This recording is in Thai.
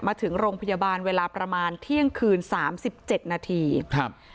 มาถึงโรงพยาบาลเวลาประมาณเที่ยงคืนสามสิบเจ็ดนาทีครับ